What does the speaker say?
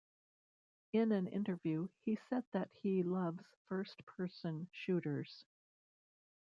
In an interview, he said that he loves first-person shooters.